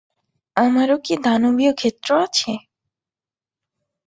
আমারও কী দানবীয় ক্ষেত্র আছে?